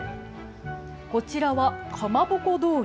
こちらはかまぼこ通り。